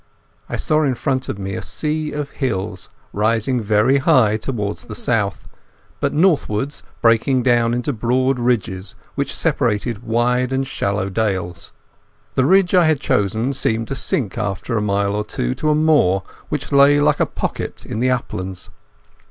I saw in front of me a sea of hills, rising very high towards the south, but northwards breaking down into broad ridges which separated wide and shallow dales. The ridge I had chosen seemed to sink after a mile or two to a moor which lay like a pocket in the uplands.